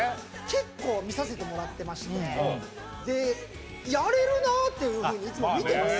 結構見させてもらってましてでっていうふうにいつも見てます